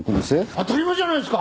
当たり前じゃないですか！